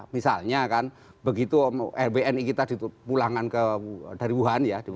misalnya kan begitu rbni kita pulangkan dari wuhan ya